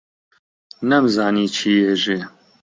نەمزانی چی ئێژێ،